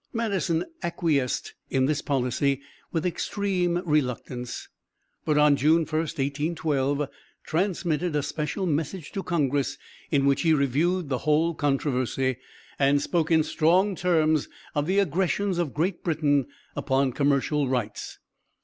Madison acquiesced in this policy with extreme reluctance, but on June 1, 1812, transmitted a special message to congress in which he reviewed the whole controversy, and spoke in strong terms of the aggressions of Great Britain upon commercial rights.